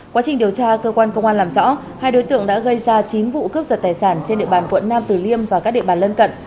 quá trình điều tra cơ quan công an làm rõ hai đối tượng đã gây ra chín vụ cướp giật tài sản trên địa bàn quận nam tử liêm và các địa bàn lân cận